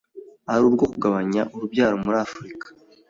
ari urwo kugabanya urubyaro muri Afurika